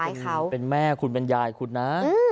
อายุเขานี่เป็นแม่คุณเป็นยายคุณนะ